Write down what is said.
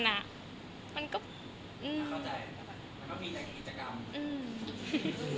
มันก็อืม